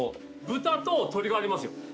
豚と鶏がありますよ。